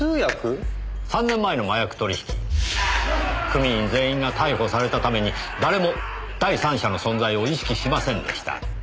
３年前の麻薬取引組員全員が逮捕されたために誰も第三者の存在を意識しませんでした。